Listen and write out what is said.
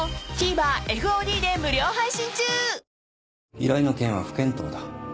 依頼の件は不見当だ。